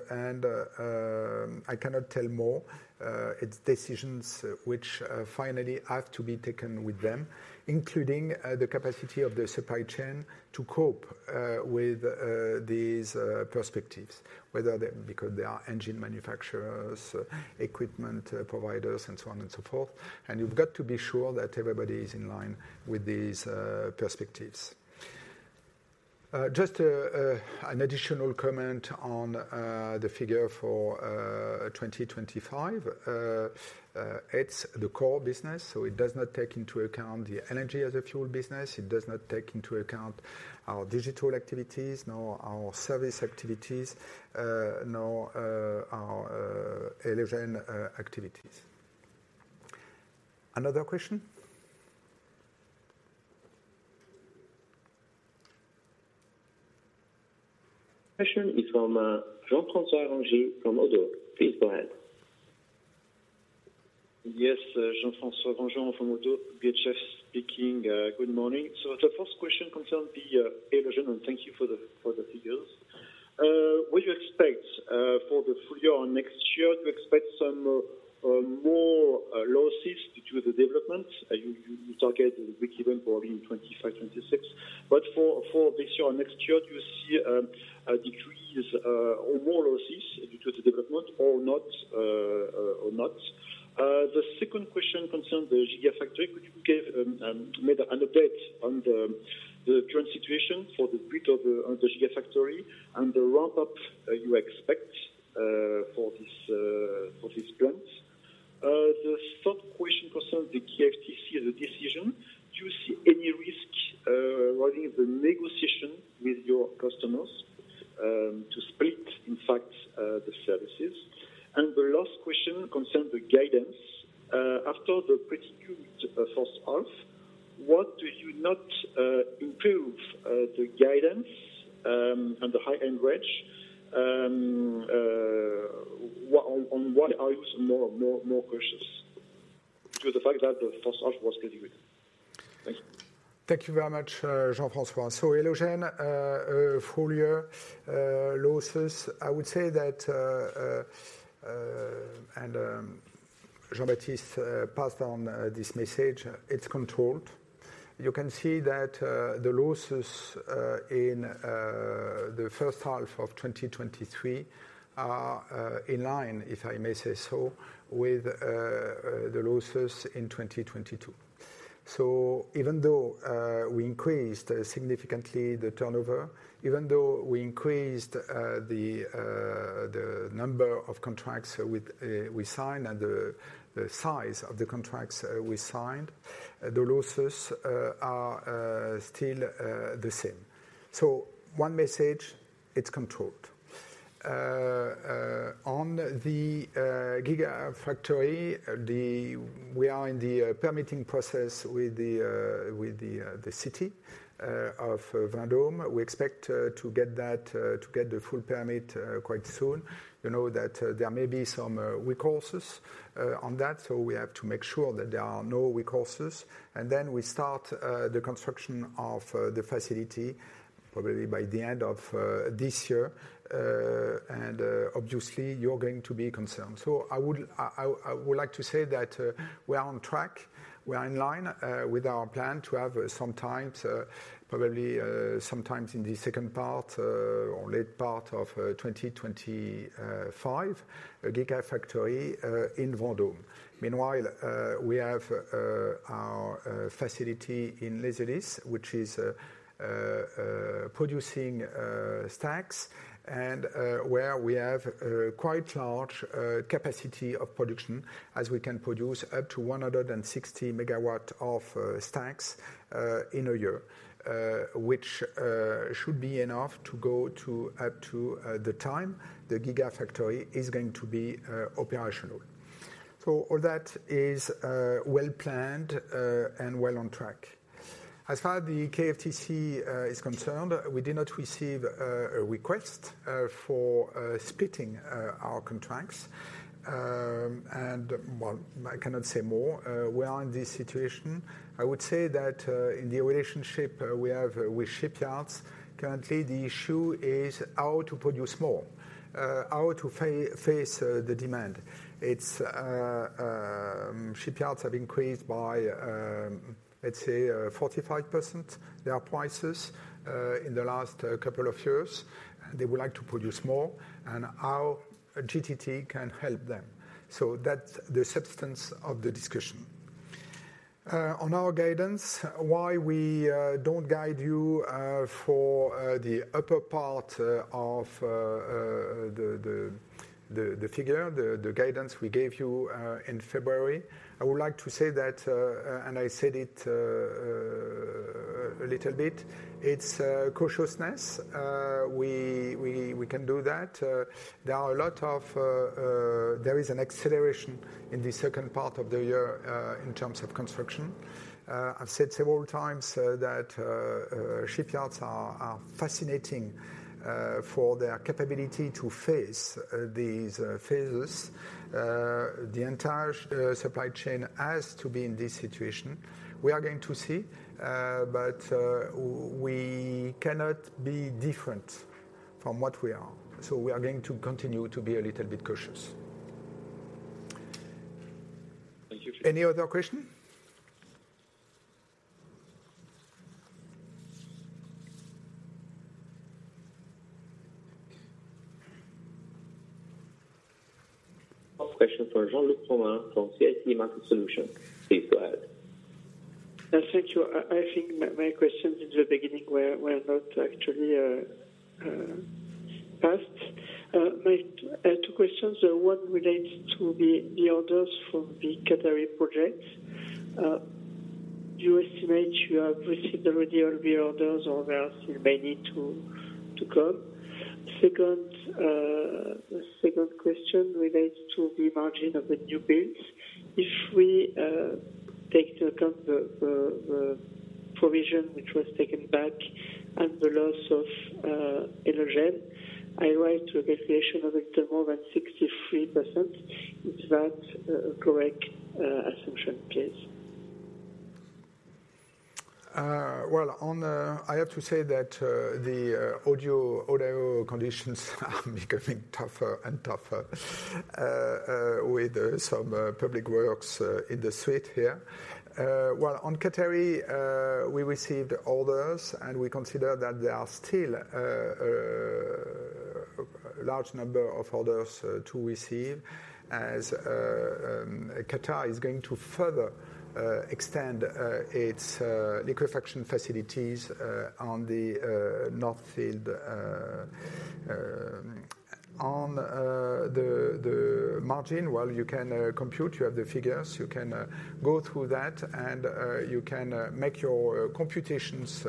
and I cannot tell more. It's decisions which finally have to be taken with them, including the capacity of the supply chain to cope with these perspectives. Because they are engine manufacturers, equipment providers, and so on and so forth, and you've got to be sure that everybody is in line with these perspectives. Just an additional comment on the figure for 2025. It's the core business, so it does not take into account the energy as a fuel business, it does not take into account our digital activities, nor our service activities, nor our inaudible activities. Another question Question is from Jean-François Granjon from Oddo. Please go ahead. Yes, Jean-François Granjon from ODDO BHF speaking. Good morning. The first question concerns the, and thank you for the figures. What do you expect for the full year or next year? Do you expect some more losses due to the development? You target the breakeven for in 2025, 2026. For this year or next year, do you see a decrease or more losses due to the development or not or not? The second question concerns the Gigafactory. Could you give make an update on the current situation for the bit of the on the Gigafactory and the ramp-up you expect for this for this plant? The third question concerns the KFTC, the decision. Do you see any risk regarding the negotiation with your customers to split, in fact, the services? The last question concerns the guidance. After the pretty good first half, what do you not improve the guidance and the high end range? On, on what are you more, more, more cautious to the fact that the first half was pretty good? Thank you. Thank you very much, Jean-François. Elogen, full year losses, I would say that, Jean-Baptiste passed on this message, it's controlled. You can see that the losses in the first half of 2023 are in line, if I may say so, with the losses in 2022. Even though we increased significantly the turnover, even though we increased the the number of contracts with we signed and the the size of the contracts we signed, the losses are still the same. One message, it's controlled. On the Gigafactory, we are in the permitting process with the with the the city of Vendome. We expect to get that to get the full permit quite soon. We know that there may be some weak courses on that, so we have to make sure that there are no weak courses. Then we start the construction of the facility probably by the end of this year. Obviously, you're going to be concerned. I would, I, I, I would like to say that we are on track. We are in line with our plan to have some time, probably sometime in the second part, or late part of 2025, a Gigafactory in Vendome. Meanwhile, we have our facility in Les Ulis, which is producing stacks and where we have a quite large capacity of production, as we can produce up to 160 MW of stacks in a year. Which should be enough to go to up to the time the Gigafactory is going to be operational. All that is well planned and well on track. As far as the KFTC is concerned, we did not receive a request for splitting our contracts. Well, I cannot say more. We are in this situation. I would say that in the relationship we have with shipyards, currently, the issue is how to produce more, how to face the demand. It's, shipyards have increased by, let's say, 45% their prices in the last couple of years. They would like to produce more, and how GTT can help them. That's the substance of the discussion. On our guidance, why we don't guide you for the upper part of the figure, the guidance we gave you in February. I would like to say that, and I said it a little bit, it's cautiousness. We, we, we can do that. There are a lot of... There is an acceleration in the second part of the year in terms of construction. I've said several times that shipyards are, are fascinating for their capability to face these phases. The entire supply chain has to be in this situation. We are going to see, but we cannot be different from what we are. We are going to continue to be a little bit cautious. Thank you. Any other question? Last question from Jean-Luc Romain from CIC Market Solutions. Please go ahead. Thank you. I, I think my, my questions in the beginning were, were not actually asked. My, I had two questions. One relates to the orders from the Qatari project. Do you estimate you have received already all the orders or there are still many to, to come? Second, the second question relates to the margin of the new builds. If we take into account the provision which was taken back and the loss of Engie, I write to a calculation of a little more than 63%. Is that a correct assumption, please? Well, on, I have to say that the audio, audio conditions are becoming tougher and tougher with some public works in the street here. Well, on Qatar, we received orders, and we consider that there are still a large number of orders to receive, as Qatar is going to further extend its liquefaction facilities on the North Field. On the margin, well, you can compute. You have the figures. You can go through that, and you can make your computations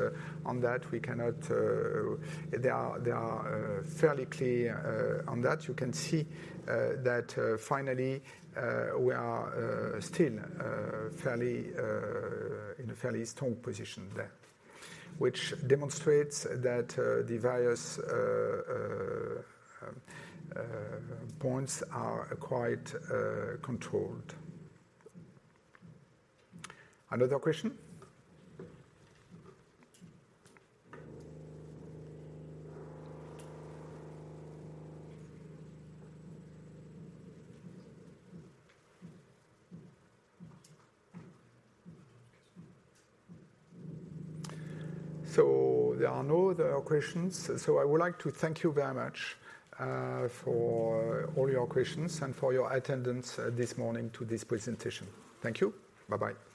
on that. We cannot. They are, they are fairly clear on that. You can see that finally we are still fairly in a fairly strong position there, which demonstrates that the various points are quite controlled. Another question? There are no other questions. I would like to thank you very much for all your questions and for your attendance this morning to this presentation. Thank you. Bye-bye.